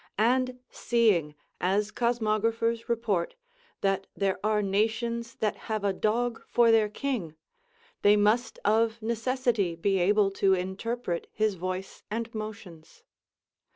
And seeing, as cusmographers report, that there are nations that have a dog for their king, they must of necessity be able to interpret his voice and motions.